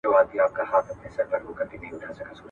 پردي به ولي ورته راتللای ..